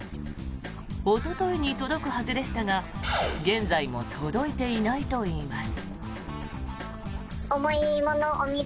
おとといに届くはずでしたが現在も届いていないといいます。